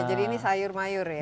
jadi ini sayur mayur ya